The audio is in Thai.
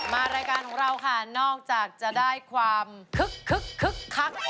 รายการของเราค่ะนอกจากจะได้ความคึกคึกคึกคัก